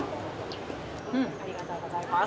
ありがとうございます。